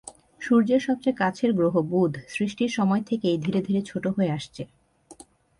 সূর্যের সবচেয়ে কাছের গ্রহ বুধ সৃষ্টির সময় থেকেই ধীরে ধীরে ছোট হয়ে আসছে।